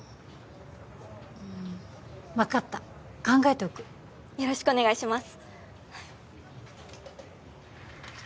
うん分かった考えておくよろしくお願いします